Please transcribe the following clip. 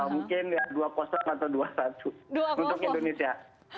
mungkin dua atau dua satu untuk indonesia